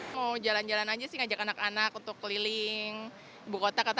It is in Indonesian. mau jalan jalan aja sih ngajak anak anak untuk keliling ibu kota